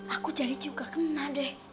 aku jadi juga kena deh